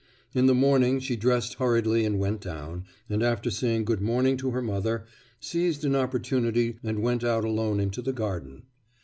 In the morning she dressed hurriedly and went down, and after saying good morning to her mother, seized an opportunity and went out alone into the garden....